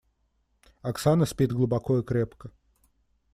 Оксана спит глубоко и крепко.